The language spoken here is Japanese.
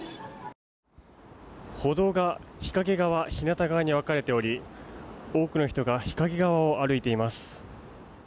歩道が日陰側日なた側に分かれており多くの人が日陰側を歩いています。